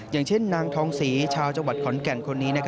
อย่างเช่นนางทองศรีชาวจังหวัดขอนแก่นคนนี้